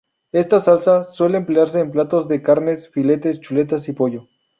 Esta salsa suele emplearse en platos de carne: filetes, chuletas y pollo.